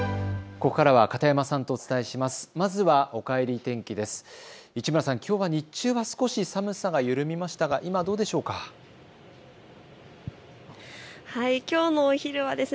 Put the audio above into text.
ここからは片山さんとお伝えします。